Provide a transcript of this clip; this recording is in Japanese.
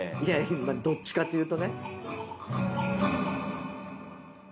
まあどっちかというとね。